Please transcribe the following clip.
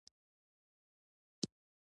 د طبیعت وروستی موسکا ده